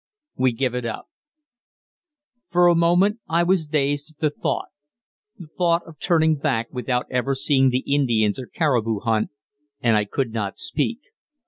WE GIVE IT UP For a moment I was dazed at the thought the thought of turning back without ever seeing the Indians or caribou hunt, and I could not speak.